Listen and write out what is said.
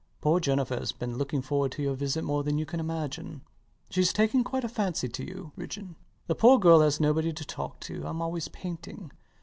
Poor Jennifer has been looking forward to your visit more than you can imagine. Shes taken quite a fancy to you, Ridgeon. The poor girl has nobody to talk to: I'm always painting.